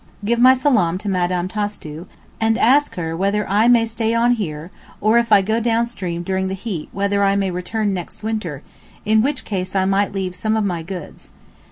Give my salaam to Mme. Tastu and ask her whether I may stay on here, or if I go down stream during the heat whether I may return next winter, in which case I might leave some of my goods.